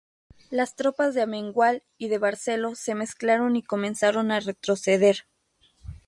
Las tropas de Amengual y de Barceló se mezclaron y comenzaron a retroceder.